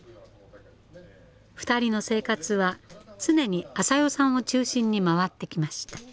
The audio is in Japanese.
２人の生活は常にあさよさんを中心に回ってきました。